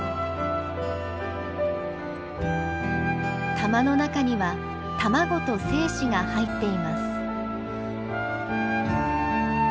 玉の中には卵と精子が入っています。